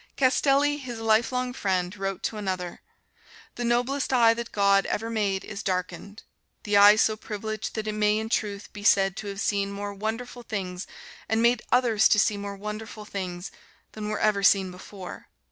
Castelli, his lifelong friend, wrote to another, "The noblest eye that God ever made is darkened: the eye so privileged that it may in truth be said to have seen more wonderful things and made others to see more wonderful things, than were ever seen before."